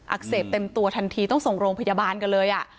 เสพเต็มตัวทันทีต้องส่งโรงพยาบาลกันเลย